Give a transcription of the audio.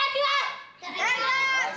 いただきます。